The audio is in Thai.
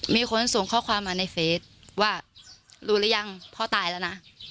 มีคนส่งข้อความมาในเฟสว่ารู้หรือยังพ่อตายแล้วนะ